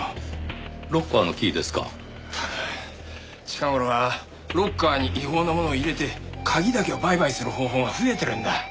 近頃はロッカーに違法なものを入れて鍵だけを売買する方法が増えてるんだ。